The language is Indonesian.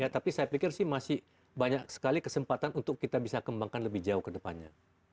tapi saya pikir sih masih banyak sekali kesempatan untuk kita bisa kembangkan lebih jauh ke depannya